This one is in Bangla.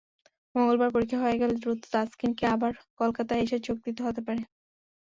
মঙ্গলবার পরীক্ষা হয়ে গেলে দ্রুত তাসকিনকে আবার কলকাতায় এসে যোগ দিতে হতে পারে।